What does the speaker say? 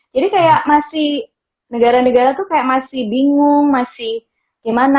jadi kayak masih negara negara tuh kayak masih bingung masih gimana